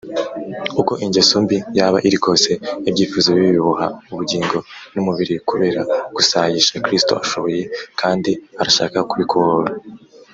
Uko ingeso mbi yaba iri kose, ibyifuzo bibi biboha ubugingo n’umubiri kubera gusayisha, Kristo ashoboye kandi arashaka kubikubohora.